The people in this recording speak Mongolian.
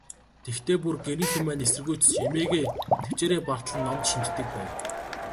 Тэгэхдээ, бүр гэрийнхэн маань эсэргүүцэж, эмээгээ тэвчээрээ бартал нь номд шимтдэг байв.